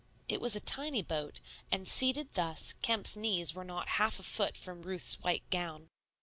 It was a tiny boat; and seated thus, Kemp's knees were not half a foot from Ruth's white gown.